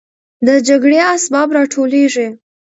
د جګړې اسباب راټولېږي.